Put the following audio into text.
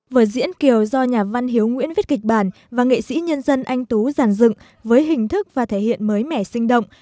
vở diễn kiều do nhà văn hiếu nguyễn viết kịch bản và nghệ sĩ nhân dân anh tú giàn dựng với hình thức và thể hiện mới mẻ sinh động